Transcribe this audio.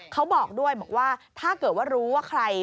เขาบอกด้วยว่าถ้าเกิดว่ารู้ว่า